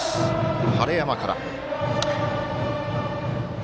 晴山から。